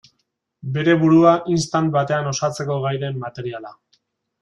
Bere burua istant batean osatzeko gai den materiala.